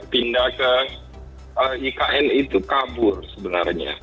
pindah ke ikn itu kabur sebenarnya